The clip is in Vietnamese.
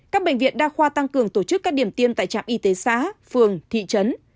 các bệnh viện đa khoa tăng cường tổ chức các điểm tiêm tại trạm y tế xã phường thị trấn